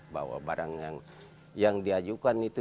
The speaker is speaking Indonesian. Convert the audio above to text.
bahwa barang yang diajukan itu